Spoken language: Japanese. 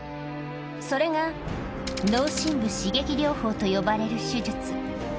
それが脳深部刺激療法と呼ばれる手術。